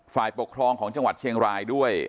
ฝ่ายปกครองของจังหวัดเชียงรายด้วย